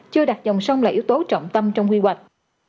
chưa đặt dòng sông là yếu tố trọng tâm trong quy hoạch